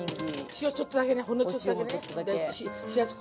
塩ちょっとだけねほんのちょっとだけね。